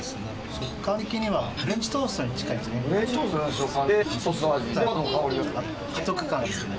食感的にはフレンチトーストに近いですね。